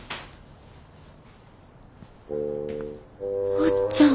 おっちゃん。